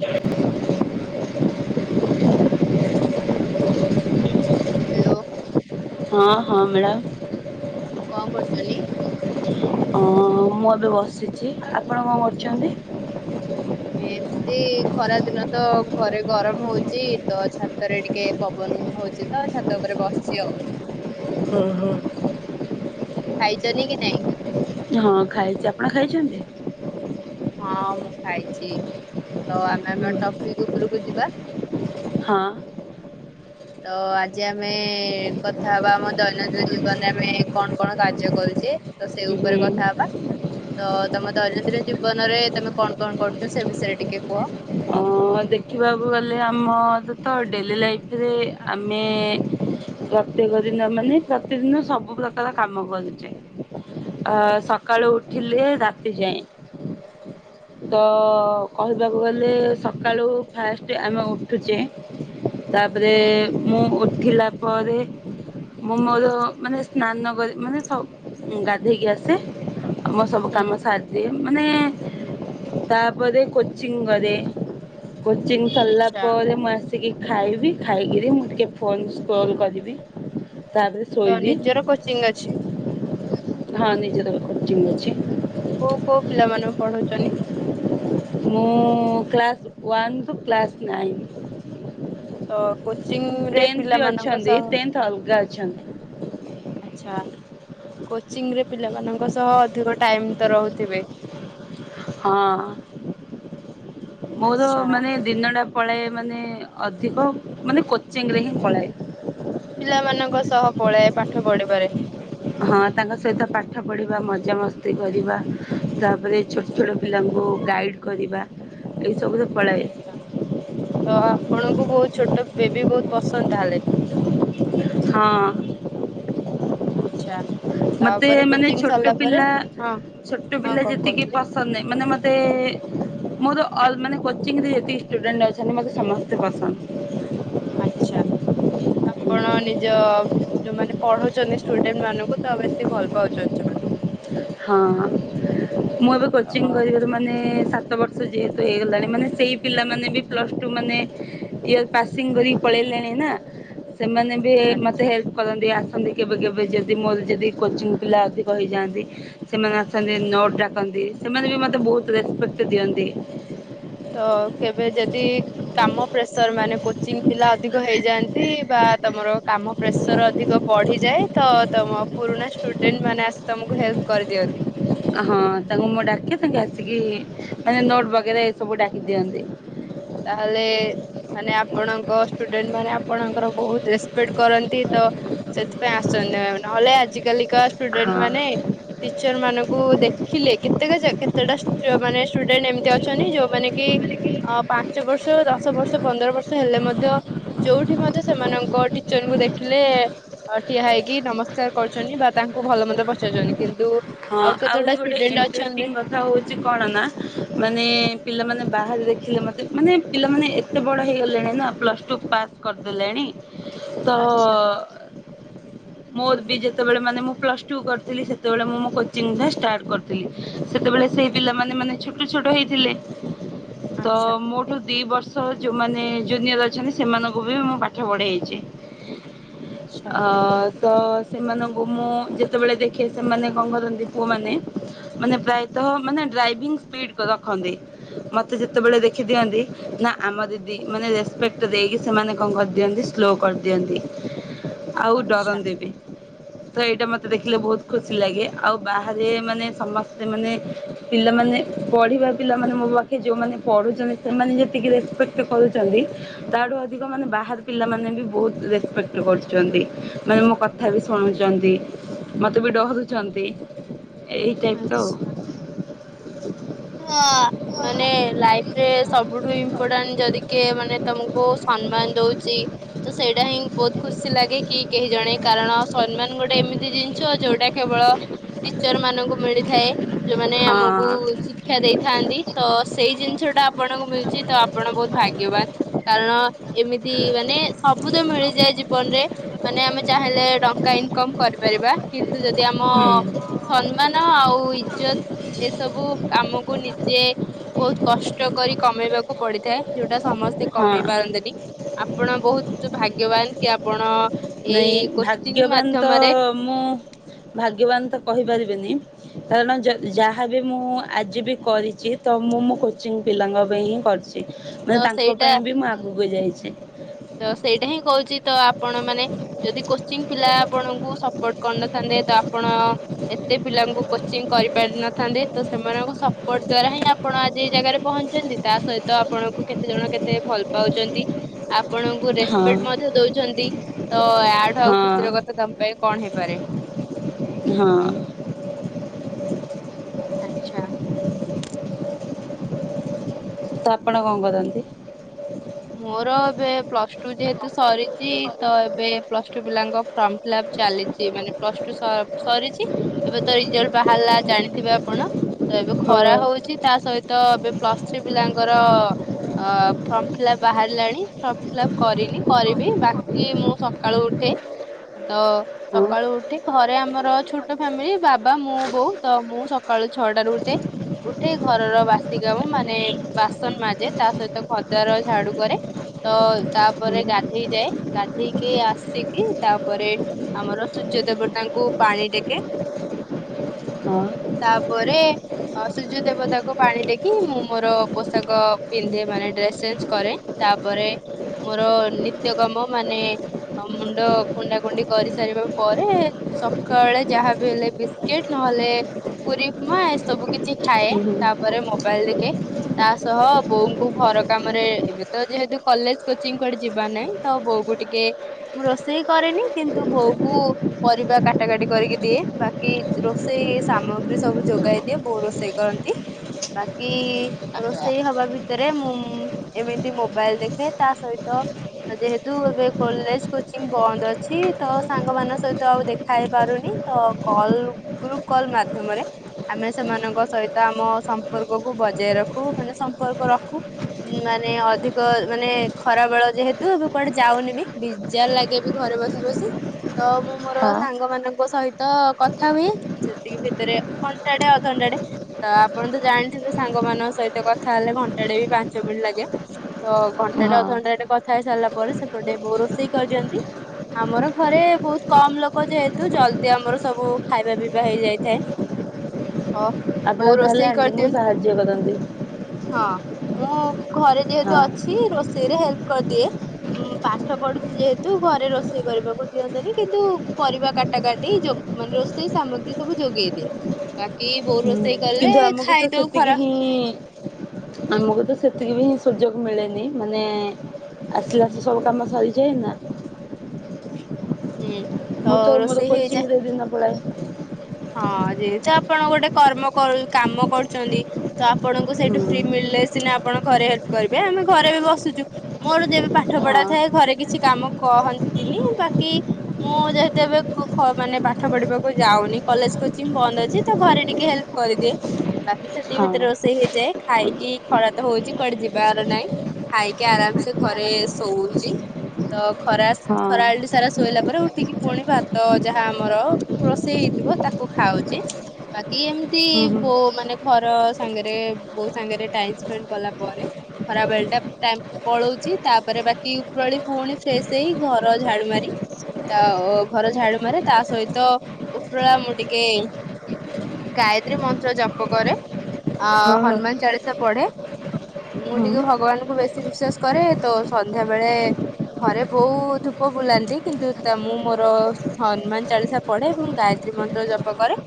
ହ ହ୍ୟାଲୋ ହଁ ହଁ ମ୍ୟାଡ଼ାମ କଣ କରୁଛନ୍ତି? ଅଁ ମୁଁ ଏବେ ବସିଛି ଆପଣ କଣ କରୁଛନ୍ତି? ଏମିତି ଖରାଦିନ ତ ଘରେ ଗରମ ହଉଚି ତ ଛାତରେ ଟିକେ ପବନ ହଉଛି ତ ଛାତ ଉପରେ ବସିଛି ଆଉ ହଁ ହଁ ଖାଇଛନି କି ନାଇଁ ହଁ ଖାଇଛି ଆପଣ ଖାଇଛନ୍ତି। ହଁ ମୁଁ ଖାଇଛି ତ ଆମେ ଆମ ଟପିକ ଉପରକୁ ଯିବା। ହଁ ତ ଆଜି ଆମେ କଥା ହବା ଆମ ଦୈନନ୍ଦିନ ଜୀବନରେ ଆମେ କଣ କଣ କାର୍ଯ୍ୟ କରୁଛେ। ତ ସେଇ ଉପରେ ହୁଁ କଥା ହବା ତ ତମେ ଦୈନନ୍ଦିନ ଜୀବନରେ ତମେ କଣ କଣ କରୁଛ ସେ ବିଷୟରେ ଟିକେ କୁହ? ହ ଦେଖିବାକୁ ଗଲେ ଆମ ତ ଡେଲି ଲାଇଫରେ ଆମେ ପ୍ରତ୍ୟେକ ଦିନ ମାନେ ପ୍ରତି ଦିନ ସବୁ ପ୍ରକାର କାମ କରୁଚେ। ଅ ସକାଳୁ ଉଠିଲେ ରାତି ଯାଏଁ। ତ କହିବାକୁ ଗଲେ ସକାଳୁ ଫାଷ୍ଟେ ଆମେ ଉଠୁଚେ ତାପରେ ହୁଁ ମୁଁ ଉଠିଲା ପରେ ମୁଁ ମୋର ମାନେ ସ୍ନାନ କରି ମାନେ ସବ୍ ଗାଧେଇକି ଆସେ। ଆମ ସବୁ ହୁଁ କାମ ସାରିଦିଏ। ମାନେ ତାପରେ କୋଚିଂ କରେ। କୋଚିଂ ସରିଲା ଆଚ୍ଛା ପରେ ମୁଁ ଆ ଟିକିଏ ଖାଇବି ଖାଇକିରି ମୁଁ ଟିକିଏ ଫୋନ୍ ସ୍ପୋଲ୍ କରିବି ତାପରେ ତ ଶୋଇବି ନିଜର କୋଚିଂ ଅଛି? ହଁ ନିଜର କୋଚଂ ଅଛି। କୋଉ କୋଉ ପିଲା ମାନଙ୍କୁ ପଢଉଚନ୍ତି? ମୁଁ class one two class nine. ତ କୋଚିଂ ରେ ଟେନ୍ଥ ବି ପିଲାମାନଙ୍କ ଅଛନ୍ତି ସହ ଟେନ୍ଥ ଅଲଗା ଅଛନ୍ତି ଆଚ୍ଛା। କୋଚିଂ ରେ ପିଲାମାନଙ୍କ ସହ ଅଧିକ ଟାଇମ୍ ତ ରହୁଥିବେ? ହଁ। ମୋର ଆଚ୍ଛା ମାନେ ଦିନଟା ପଳାଏ ମାନେ ଅଧିକ ମାନେ କୋଚିଂରେ ହିଁ ପଳାଏ। ପିଲାମାନଙ୍କ ସହ ପଳାଏ ପାଠ ପଢିବାରେ। ହଁ ତାଙ୍କ ସହିତ ପାଠ ପଢ଼ିବା ମଜାମସ୍ତି କରିବା। ତାପରେ ଛୋଟ ଛୋଟ ପିଲାଙ୍କୁ ଗାଇଡ଼ କରିବା ଏଇ ସବୁ ଆଛା ତ ଆପଣଙ୍କୁ ବହୁତ୍ ଛୋଟ ବେବି ବହୁତ୍ ପସନ୍ଦ ତାହେଲେ ହଁ। ଆଚ୍ଛା ମତେ ତାପରେ ମାନେ କୋଚିଂ ଛୋଟ ସରିଲା ପରେ ପିଲା ହଁ ଛୋଟ ହଁ ପିଲା କଣ ଯେତିକି ପ କହୁଥିଲେ ପସନ୍ଦ ନାହିଁ। ମାନେ ମତେ ମୋର ଅ କୋଚିଙ୍ଗ ରେ ଯେତିକି ଷ୍ଟୁଡେଣ୍ଟ ଅ ଯଦିମତେ ସମସ୍ତେ ପସନ୍ଦ। ଆଚ୍ଛା ଆପଣ ନିଜ ଯୋଉମାନେ ପଢଉଚନ୍ତି ଷ୍ଟୁଡେଣ୍ଟ ମାନଙ୍କୁ ତ ବେଶୀ ଭଲ ପାଉଚନ୍ତି ସେମାନଙ୍କୁ। ହଁ ମୁଁ ଏବେ ତ କୋଚିଂ କରିବା ମାନେ ସାତ ବର୍ଷ ଯେହେତୁ ହେଇଗଲାଣି। ମାନେ ସେଇ ପିଲାମାନେ ବି ପ୍ଲସ ଟୁ ମାନେ ଇଅର ପାସିଂ କରିକି ପଳେଇଲେଣି ନା ସେମାନେ ବି ମତେ ଆଚ୍ଛା ହେଲ୍ପ କରନ୍ତି। ଆସନ୍ତି କେବେ କେବେ ଯଦି ମୋର ଯଦି କୋଚିଂ ପିଲା ଅଧିକ ହେଇଯାଆନ୍ତି। ସେମାନେ ଆସନ୍ତି ନୋଟ୍ ଡାକନ୍ତି। ସେମାନେ ବି ମତେ ବହୁତ ରେସ୍ପେକ୍ଟ ଦିଅନ୍ତି। ତ କେବେ ଯଦି କାମ ପ୍ରେସର ମାନେ କୋଚିଂ ପିଲା ଅଧିକ ହେଇଯାଆନ୍ତି ବା ତମର କାମ ପ୍ରେସର ଅଧିକ ବଢିଯାଏ ତ ତମ ପୁରୁଣା ଷ୍ଟୁଡେଣ୍ଟ ମାନେ ଆସି ତମକୁ ହେଲ୍ପ କରିଦିଅନ୍ତି? ହଁ ତାଙ୍କୁ ମୁଁ ଡାକେ ତାଙ୍କେ ଆସିକି ମାନେ ନୋଟ ବଗେରେ ଏ ସବୁ ଡାକି ଦିଅନ୍ତି। ତାହେଲେ ମାନେ ଆପଣଙ୍କ ଷ୍ଟୁଡେଣ୍ଟ ମାନେ ଆପଣଙ୍କର ବହୁତ୍ ରେସ୍ପେକ୍ଟ କରନ୍ତି ତ ସେଥିପାଇଁ ଆସଚନ୍ତି ମ। ନହେଲେ ଆଜିକାଲିକା ଷ୍ଟୁଡେଣ୍ଟ ହଁ। ମାନେ ଟିଚର ମାନଙ୍କୁ ଦେଖିଲେ କେତେକା କେତେଟା ଯୋଉ ମାନେ ଷ୍ଟୁଡେଣ୍ଟ ଏମିତି ଅଛନ୍ତି। ଯୋଉମାନେ କି ଅ ପାଞ୍ଚ ବର୍ଷ ରୁ ଦଶ ବର୍ଷ ପନ୍ଦର ବର୍ଷ ହେଲେ ମଧ୍ୟ ଯୋଉଠି ମଧ୍ୟ ସେମାନଙ୍କ ଟିଚରଙ୍କୁ ଦେଖିଲେ ଅ ଠିଆ ହେଇକି ନମସ୍କାର କରୁଚନ୍ତି ବା ତାଙ୍କୁ ଭଲ ମନ୍ଦ ପଚାରୁଚନ୍ତି କିନ୍ତୁ ହଁ ଆଉ କେତେଟା ଆହୁରି ଗୋଟେ ଷ୍ଟୁଡେଣ୍ଟ ଅଛନ୍ତି ଇଟ୍ରେଷ୍ଟିଙ୍ଗ କଥା ହୋଉ ଚି କଣ ନା ମାନେ ପିଲାମାନେ ବାହାରେ ଦେଖିଲେ ମତେ ମାନେ ପିଲାମାନେ ଏ ତେ ବଡ ହେଇଗଲେଣି ନା ପ୍ଲସ୍ ଟୁ ପାସ୍ କରିଦେଲେଣି ତ ଆଚ୍ଛା ମୋର ବି ଯେତବଳେ ମାନେ ମୁଁ ପ୍ଲସ ଟୁ କରିଥିଲି ସେତବଳେ ମୁଁ ମୋ କୋଚିଂ ଟା ଷ୍ଟାର୍ଟ କରିଥିଲି ସେତେବେଳେ ସେଇ ପିଲାମାନେ ମାନେ ଛୋଟ ଛୋଟ ହେଇଥିଲେ। ତ ଆଚ୍ଛା ମୋ ଠୁ ଦି ବର୍ଷ ଯୋଉମାନେ ଜୁନିୟର ଅଛନ୍ତି ସେମାନଙ୍କୁ ବି ମୁଁ ପାଠ ପଢେଇଚି। ଆଚ୍ଛା ଅ ତ ସେମାନଙ୍କୁ ମୁଁ ଯେତେବେଳେ ଦେଖେ ସେମାନେ କଣ କରନ୍ତି ପୁଅମାନେ ମାନେ ପ୍ରାୟତଃ ମାନେ ଡ୍ରାଇଭିଂ ସ୍ପିଡ କର ଖନ୍ତି ମତେ ଯେତେବେଳେ ଦେଖି ଦିଅନ୍ତି। ନା ଆମ ଦିଦି ମାନେ ରେସ୍ପେକ୍ଟ ଦେଇକି ସେମାନେ କଣ କରିଦିଅନ୍ତି ସ୍ଲୋ କରିଦିଅନ୍ତି। ଆଉ ଆଚ୍ଛା ଡରନ୍ତିନି ତ ଏଇଟା ମତେ ଦେଖିଲେ ବହୁତ ଖୁସି ଲାଗେ। ଆଉ ବାହାରେ ମାନେ ସମସ୍ତେ ମାନେ ପିଲାମାନେ ପଢିବା ପିଲାମାନେ ମୋ ପା କି ଯୋଉମାନେ ପଢୁଚନ୍ତି ସେମାନେ ଯେତିକି ରେସପେକ୍ଟ କରୁଚନ୍ତି। ତା ଠୁ ଅଧିକ ମାନେ ବାହାର ପିଲାମାନେ ବି ବହୁତ ରେସପେକ୍ଟ କରୁଚନ୍ତି। ମାନେ ମୋ କଥା ବି ଶୁଣୁଚନ୍ତି ମତେ ବି ଡରୁଚନ୍ତି। ଏହି ଟାଇପିର ଆଉ। ଆ। ମାନେ ଲାଇଫରେ ସବୁଠୁ ଇମ୍ପୋଟାଣ୍ଟ ଯଦି କିଏ ମାନେ ତମୁକୁ ସମ୍ମାନ ଦଉଚି। ତ ସେଇଟା ହିଁ ବହୁତ ଖୁସି ଲାଗେ କି କେହି ଜଣେ କାରଣ ସମ୍ମାନ ଗୋଟେ ଏମିତି ଜିନିଷ ଯୋଉଟା କେବଳ ଟିଚର ମାନଙ୍କୁ ମିଳିଥାଏ ଯୋଉମାନେ ଆମକୁ ହଁ। ଶିି କ୍ଷା ଦେଇଥାନ୍ତି ତ ସେଇ ଜିନିଷ ଟା ଆପଣଙ୍କୁ ମିଳୁଚି ତ ଆପଣ ବହୁତ ଭାଗ୍ୟବାନ୍। କାରଣ ଏମିତି ମାନେ ସବୁ ତ ମିଳିଯାଏ ଜୀବନରେ। ମାନେ ଆମେ ଚାହିଁଲେ ଟଙ୍କା ଇନକମ୍ କରିପାରିବା। କିନ୍ତୁ ଯଦି ଆମ ହୁଁ। ସମ୍ମାନ ଆଉ ଇଜ୍ଜତ ଏସବୁ ଆମକୁ ନିଜେ ବହୁତ କଷ୍ଟ କରି କମେଇବାକୁ ପଡିଥାଏ। ଯୋଉଟା ସମସ୍ତେ କମେଇ ହଁ। ପାରନ୍ତିନି ଆପଣ ବହୁତ ଭାଗ୍ୟବାନ କି ଆପଣ ନାଇଁ ଏଇ କୋଚିଂ ଭାଗ୍ୟବାନ ତ ମାଧ୍ୟମରେ ମୁଁ ଭାଗ୍ୟବାନ ତ କହିପାରିବିନି। କାରଣ ଯ ଯାହା ବି ମୁଁ ଆଜି ବି କରିଚି ତ ମୁଁ ମୁଁ କୋଚିଂ ପିଲାଙ୍କ ପାଇଁ ହିଁ କରିଚି। ମାନେ ତ ତାଙ୍କ ସେଇଟା ପାଇଁ ବି ମୁଁ ଆଗକୁ ଯାଇଚି। ତ ସେଇଟା ହିଁ କହୁଚି ତ ଆପଣମାନେ ଯଦି କୋଚିଂ ପିଲା ଆପଣଙ୍କୁ ସପୋର୍ଟ କରିନଥାନ୍ତେ ତ ଆପଣ ଏତେ ପିଲାଙ୍କୁ କୋଚିଂ କରିପାରିନଥାନ୍ତେ ତ ସେମାନଙ୍କ ସପୋର୍ଟ ଦ୍ୱାରା ହିଁ ଆ ଆପଣ ଆଜି ଏଇ ଜାଗାରେ ପହଞ୍ଚିଚନ୍ତି ତା ସହିତ ଆପଣଙ୍କୁ କେତେ ଜଣ କେତେ ଭଲ ପାଉଚନ୍ତି। ଆପଣଙ୍କୁ ହଁ ରେସପେକ୍ଟ ମଧ୍ୟ ଦଉଛନ୍ତି ତ ୟା ଠୁ ଆଉ ଖୁସିର ହଁ କଥା ତ ଆ ପାଇଁ କଣ ହେଇପାରେ। ହଁ। ଆଚ୍ଛା। ତ ଆପଣ କଣ କରନ୍ତି? ମୋର ଏବେ ପ୍ଲସ ଟୁ ଯେହେତୁ ସରିଚି ତ ଏବେ ପ୍ଲସ ଟୁ ପିଲାଙ୍କ ଫର୍ମ ଫିଲ ଅପ ଚାଲି ଚି ମାନେ ପ୍ଲସ ଟୁ ସ-ସରିଚି ଏବେ ତ ରିଜଲ୍ଟ ବାହାରିଲା ଜାଣିଥିବେ ଆପଣ। ତ ଏବେ ଖରା ହଁ ହଉଚି ତା ସହିତ ଏବେ ପ୍ଲସ ଥ୍ରୀ ପିଲାଙ୍କର ଅ ଫର୍ମ ଥିଲା ବାହାରିଲାଣି ଫର୍ମ ଫିଲପ କରିନି କରିବି ବାକି ମୁଁ ସକାଳୁ ଉଠେ। ତ ହଁ ସକାଳୁ ଉଠେ ଘରେ ଆମର ଛୋଟ ଫ୍ୟାମିଲି ବାବା ମୁଁ ବୋଉ ତ ମୁଁ ସକାଳୁ ଛଅଟାରୁ ଉଠେ। ଉଠେଇ ଘରର ବାସି କାମ ମାନେ ବାସନ ମାଜେ ତା ସହିତ ଘଦ୍ଵାର ଝାଡୁ କରେ। ତ ତାପରେ ଗାଧେଇ ଯାଏ ଗାଧେଇକି ଆସିକି ତାପରେ ଆମର ସୂର୍ଯ୍ୟ ଦେବତାଙ୍କୁ ପାଣି ଟେକେ। ହଁ। ତାପରେ ଅ ସୁୂର୍ଯ୍ୟ ଦେବତାକୁ ପାଣି ଟେକି ମୁଁ ମୋର ପୋଷାକ ପିନ୍ଧେ ମାନେ ଡ୍ରେସ୍ ଚେଞ୍ଜ କରେ ତାପରେ ମୋର ନିତ୍ୟ କମ ମାନେ ଆଉ ମୁଣ୍ଡ କୁଣ୍ଡା କୁଣ୍ଡି କରିସାରିବା ପରେ ସକାଳେ ଯାହା ବି ହେଲେ ବିସ୍କିଟ ନହେଲେ ପୁରୀଉପମା ଏ ସବୁ କିଛି ଖାଏ ତାପରେ ମୋବାଇଲ ଦେଖେ ତା ସହ ବୋଉଙ୍କୁ ଘର କାମରେ ଏବେ ତ ଯେହେତୁ କଲେଜ କୋଚିଂ କଆଡେ ଯିବା ନାହିଁ ତ ବୋଉ କ ଟିକେ ମୁଁ ରୋଷେଇ କରେନି କିନ୍ତୁ ବୋଉ କୁ ପରିବା କାଟା କାଟି କରିକି ଦିଏ ବାକି ରୋଷେଇ ସାମଗ୍ରୀ ସବୁ ଯୋଗାଇ ଦିଏ ବୋଉ ରୋଷେଇ କ କରନ୍ତି ବାକି ରୋଷେଇ ହବା ଭିତରେ ମୁଁ ମୁଁ ଏମିତି ମୋବାଇଲ ଦେଖେ ତା ସହିତ ଯେହେତୁ ଏବେ କୋଲେଜ କୋଚିଂ ବନ୍ଦ ଅଛି ତ ସାଙ୍ଗମାନାନଙ୍କ ସହିତ ଆଉ ଦେଖା ହେଇ ପାରୁନି। ତ କଲ୍ ଗ୍ରୁପ କଲ ମାଧ୍ୟମରେ ଆମେ ସେମାନଙ୍କ ସହିତ ଆମ ସମ୍ପର୍କକୁୁ ବଜାୟ ରଖୁ ମାନେ ସମ୍ପର୍କ ରଖୁ। ମାନେ ଅଧିକ ମାନେ ଖରା ବେଳ ଯେହେତୁ ଏବେ କୁଆଡେ ଯାଉନି ବି ଜାର ଲାଗେ ବି ଘରେ ବସି ବସି ତ ମୁଁ ହଁ ମୋର ହଁ ସାଙ୍ଗ ମାନଙ୍କ ସହିତ ତ କଥା ହୁଏ ସେତିକି ଭିତରେ ଘଣ୍ଟାଟେ ଅଧଘଣ୍ଟାଟେ ତ ଆପଣ ତ ଜାଣିଥିବେ ସାଙ୍ଗମାନଙ୍କ ସହିତ କଥା ହେଲେ ଘଣ୍ଟାଟେ ବି ପା ପାଞ୍ଚ ମିନିଟ ଲାଗେ ତ ଘଣ୍ଟାରେରେ ଅଧଘଣ୍ଟାରେ କଥା ହେଇ ସାରିଲା ପରେ ସେପଟେ ବୋଉ ରୋଷେଇ କରିଦିଅନ୍ତି। ଆମର ଘରେ ବୋହୁତ କମ ଲୋକ ଯେହେତୁ ଜଲଦି ଆମର ସବୁ ଖାଇବା ପିଇବା ହେଇ ଯାଇଥାଏ। ହ ଆପଣ ବୋଉ ତାହେଲେ ରୋଷେଇ ଆଣ୍ଟିଙ୍କୁ ସାହାଯ୍ୟ କରନ୍ତି କରିଦିଅନ୍ତିୁ। ହଁ ମୁଁ ଘରେ ଯେହେତୁ ହଁ ଅଛି ରୋଷେଇରେ ହେଲ୍ପ କରିଦିଏ। ହୁଁ ପାଠ ପଢୁଛିି ଯେହେତୁ ଘରେ ରୋଷେଇ କରିବାକୁ ଦିଅନ୍ତୁନି କିନ୍ତୁ ପରିବା କା ଟା କାଟି ମାନେ ରୋଷେଇ ସାମଗ୍ରୀ ସବୁ ଯୋଗେଇଦ ବାକି ବୋଉ ରୋ କିନ୍ତୁ ଆମକୁ ତ ସେତିକି ହିଁ ଆମକୁ ତ ସେତିକି ଭି ସୁଯୋଗ ମିଳେନି ମାନେ ଆସିଲା ସେ ସବୁ କାମ ସରିଯାଏ ନା? ହୁଁ ମୁଁ ତ ମୋର ରୋଷେଇ ହେଇଯାଏ କୋଚିଂରେ ଦିନ ପଳାଏ। ହଁ ଯେହେତୁ ଆପଣ ଗୋଟେ କର୍ମ କରୁ କାମ କରୁଛନ୍ତି ତ ଆପଣଙ୍କୁ ସେଇଠୁ ହୁଁ ଫ୍ରି ମିଳିଲେ ସିନା ଆପଣ ଘରେ ହେଲ୍ପ କରିବେ ଆମେ ଘରେ ବି ବସୁଛୁ। ମୋର ଯେବେ ପାଠ ପଢା ଥାଏ ହଁ ଘରେ କିଛି କାମ କହନ୍ତିନି ବାକି ମୁଁ ଯେହେତୁ ଏବେ କୋକ ମାନେ ପାଠ ପଢିବାକୁ ଯାଉନି କଲେଜ କୋଚିଂ ବନ୍ଦ ଅଛି ତ ଘରେ ଟିକେ ହେଲ୍ପ କରିଦିଏ। ବାକି ସେତିକି ଭିତରେ ରୋଷେଇ ହେଇଯାଏ ଖାଇକି ଖରା ତ ହଉଛି କୁଆଡେ ଯିବାର ନାଇଁ। ଖାଇକି ଆରାମସେ ଘରେ ଶୋଉଛି ତ ଖରା ହଁ ହଁ ଖରାବେଳଟି ସାରା ଶୋଇଲା ପରେ ଉଠିକି ପୁଣି ଭାତ ଯାହା ଆମର ରୋଷେଇ ହେଇ ଥିବ ତାକୁ ଖାଉଛି ବାକି ଏମିତି ହୁଁ ବୋ ମାନେ ଘର ସାଙ୍ଗରେ ବୋଉ ସାଙ୍ଗରେ ଟାଇମ ସ୍ପେଣ୍ଡ କଲା ପରେ ଖରା ବେଳେ ଟା ଟାଇମ୍ ପଳଉଛି ତାପରେ ବାକି ଉପରଳି ପୁଣି ଫ୍ରେଶ ହେଇ ଘର ଝାଡୁ ମାରି ତା ଘର ଝାଡୁ ମାରେ ତା ସହିତ ଉପରଳା ମୁଁ ଟିକେ ଗାୟତ୍ରୀ ମନ୍ତ୍ର ଜପ କରେ ଆ ହୁଁ ହଁ ହନୁମାନ ଚାଳିଶା ପଢେ। ମୁଁ ହଁ। ଟିକେ ଭଗବାନଙ୍କୁ ବେଶୀ ବିଶ୍ଵାସ କରେ ତ ସନ୍ଧ୍ୟା ବେଳେ ଘରେ ବୋଉ ଧୂପ ବୁଲାନ୍ତି। କିନ୍ତୁ ତା ମୁଁ ମୋର ହନୁମାନ ଚାଳିଶା ପଢେ। ମୁଁ ଗାୟତ୍ରୀ ମନ୍ତ୍ର ଜପ କରେ।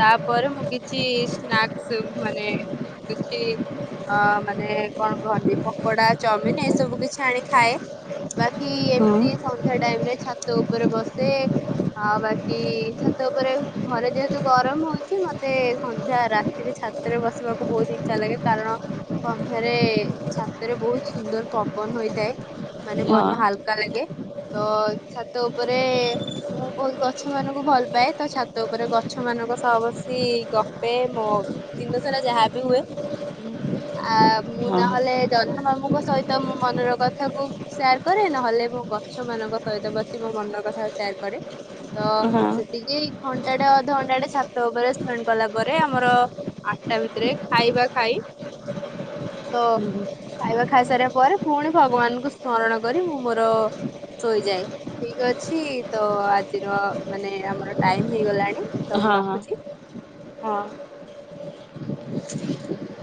ତା'ପରେ ମୁଁ କିଛି ସ୍ନାକ୍ସ ମାନେ, କିଛି ଅ ମାନେ କଣ କହନ୍ତି? ପକୋଡା, ଚଓମିନ ଏଇସବୁ କିଛି ଆଣି ଖାଏ। ବା କି ହଁ ହଁ ହଁ ଏମିତି ସନ୍ଧ୍ୟା ଟାଇମ୍ ରେ ଛାତ ଉପରେ ବସେ। ଆଉ ବାକି ଛାତ୍ ତ ଉପରେ ଘରେ ଯେହେତୁ ଗରମ ହଉଛି, ମତେ ସନ୍ଧ୍ୟା ରାତିରେ ଛାତରେ ବସିବାକୁ ବହୁତ ଇଚ୍ଛା ଲାଗେ। କାରଣ ସନ୍ଧ୍ୟାରେ ଛାତରେ ବହୁତ ସୁନ୍ଦର ପବନ ହୋଇଥାଏ। ମାନେ ମନ ହାଲ୍ କା, ଲାଗେ ତ ଛାତ ଉପରେ, ମୁଁ ବହୁତ ଗଛ ମାନଙ୍କୁ ଭଲ ପାଏ। ତ ଛାତ ଉପରେ ଗଛ ମାନଙ୍କ ସହ ବସି ଗପେ। ମୋ ଦିନସାରା ଯାହାବି ହୁଏ। ହୁଁ, ଆ ମୁଁ ନହେଲେ ଜହ୍ନ ମାମୁଙ୍କ ସହିତ ମୋ ମନର କଥା କୁ ସେୟାର କରେ, ନହେଲେ ମୁଁ ଗଛ ମାନଙ୍କ ସହିତ ବସି ମୋ ମନର କଥା ସେୟାର କରେ। ତ ହଁ। ଟିକେ ଘଣ୍ଟାଟେ ଅଧଘଣ୍ଟାଟେ ଛାତ ଉପରେ ସ୍ପେଣ୍ଡ କଲା ପରେ ଆମର ଆଟ୍ଟା ଭିତରେ ଖାଇବା ଖାଇ ତ ଖାଇବା ଖାଇସାରିବା ପରେ, ପୁଣି ଭଗବାନଙ୍କୁ ସ୍ମରଣ କରି ମୁଁ ମୋର ଶୋଇଯାଏ। ଠିକ୍ ଅଛି ତ ଆଜିର ମାନେ ଆମର ଟାଇମ୍ ହେଇଗଲାଣି। ତ ମୁଁ ହଁ ହଁ, ରଖୁଛି। ହଁ। [inaudible]